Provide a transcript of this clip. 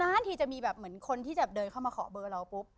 นาทีจะมีแบบเหมือนคนที่จะเดินเข้ามาขอเบอร์เราปุ๊บ